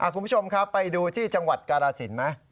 คุณผู้ชมครับไปดูที่จังหวัดกาลสินไหม